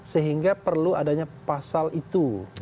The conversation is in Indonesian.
sehingga perlu adanya pasal itu